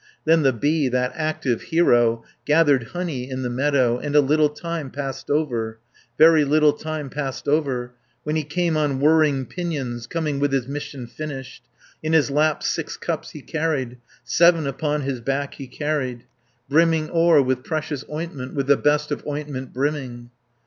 Then the bee, that active hero, Gathered honey in the meadow, And a little time passed over, Very little time passed over, When he came on whirring pinions, Coming with his mission finished, 460 In his lap six cups he carried, Seven upon his back he carried, Brimming o'er with precious ointment, With the best of ointment brimming.